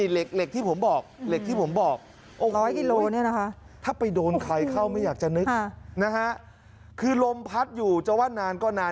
เหล็กที่ผมบอกถ้าไปโดนใครเข้าไม่อยากจะนึกคือลมพัดอยู่จะว่านานก็นาน